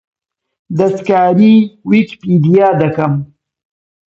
دەستکاریی ویکیپیدیا دەکەم.